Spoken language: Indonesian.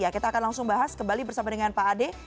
kita akan langsung bahas kembali bersama dengan pak ade